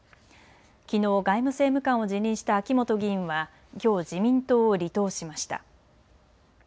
きのう外務政務官を辞任した秋本議員はきょう自民党を離党しました。